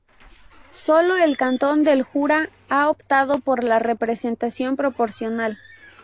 Sólo el cantón del Jura ha optado por la representación proporcional.